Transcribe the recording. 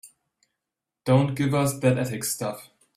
Don't give us that ethics stuff.